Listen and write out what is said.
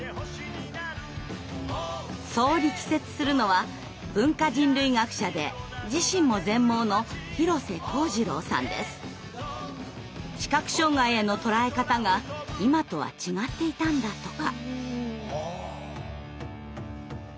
そう力説するのは文化人類学者で自身も全盲の視覚障害への捉え方が今とは違っていたんだとか。